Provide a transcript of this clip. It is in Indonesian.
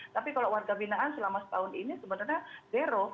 tapi kalau warga binaan selama setahun ini sebenarnya zero